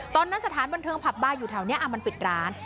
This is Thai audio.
ตอนนั้นสถานบันเทิงผับบาร์อยู่แถวนี้มันปิดร้าน